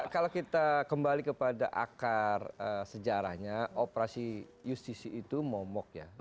kalau kita kembali kepada akar sejarahnya operasi justisi itu momok ya